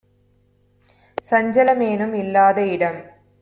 சஞ்சல மேனும்இல் லாதஇடம்